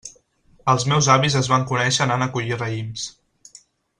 Els meus avis es van conèixer anant a collir raïms.